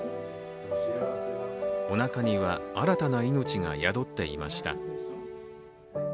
おなかには新たな命が宿っていました。